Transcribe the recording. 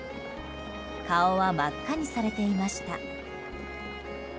顔は真っ赤にされていました。